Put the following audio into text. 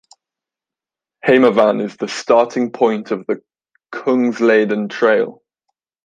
Hemavan is the starting point of the Kungsleden trail.